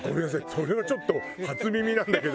それはちょっと初耳なんだけど。